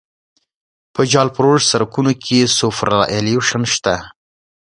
په جغل فرش سرکونو کې هم سوپرایلیویشن شته